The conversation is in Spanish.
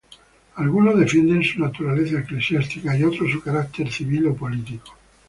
Algunos defienden su naturaleza eclesiástica y otros su carácter civil o político.